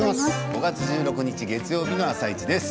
５月１６日月曜日の「あさイチ」です。